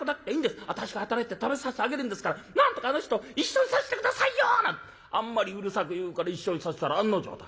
私が働いて食べさせてあげるんですからなんとかあの人と一緒にさせて下さいよ！』なんてあんまりうるさく言うから一緒にさせたら案の定だ。